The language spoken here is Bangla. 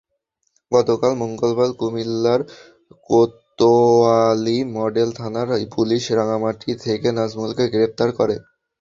গতকাল মঙ্গলবার কুমিল্লার কোতোয়ালি মডেল থানার পুলিশ রাঙামাটি থেকে নাজমুলকে গ্রেপ্তার করে।